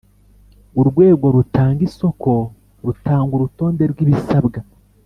Urwego rutanga isoko rutanga urutonde rw’ibisabwa